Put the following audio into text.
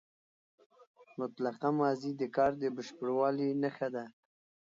مطلقه ماضي د کار د بشپړوالي نخښه ده.